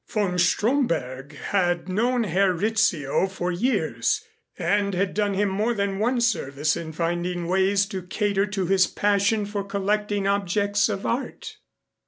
Von Stromberg had known Herr Rizzio for years and had done him more than one service in finding ways to cater to his passion for collecting objects of art.